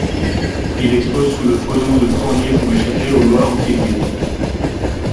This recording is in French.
Il expose sous le faux nom de Fournier pour échapper aux lois anti-juives.